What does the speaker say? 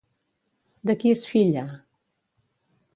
De qui és filla?